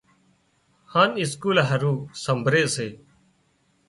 هانَ اسڪول هارو سمڀري سي۔